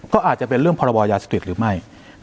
ก็อาจจะเป็นเรื่องพอรับว่ายาสติกหรือไม่